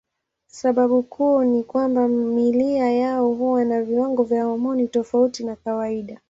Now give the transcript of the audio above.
Sababu kuu ni kwamba miili yao huwa na viwango vya homoni tofauti na kawaida.